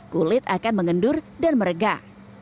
kulit akan mengendur dan meregah